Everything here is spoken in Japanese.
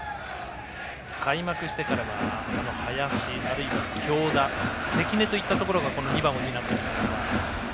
開幕してからは林、あるいは京田関根といったところが２番を担ってきましたが。